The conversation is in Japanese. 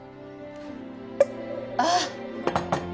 あっ！